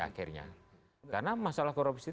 akhirnya karena masalah korupsi